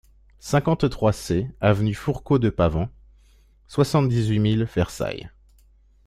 cinquante-trois C avenue Fourcault de Pavant, soixante-dix-huit mille Versailles